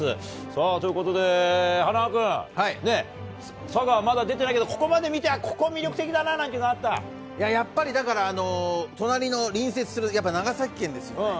さあ、ということで、はなわ君、佐賀はまだ出てないけど、ここまで見て、やっぱり、だから隣の、隣接する、やっぱ長崎県ですよね。